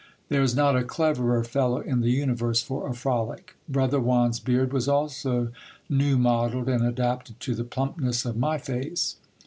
There is not a cleverer fellow in the universe for a frolic. Brother Juan's beard was also new modelled, and adapted to the plumpness of my face.